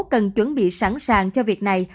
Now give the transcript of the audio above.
cần chuẩn bị sẵn sàng cho việc này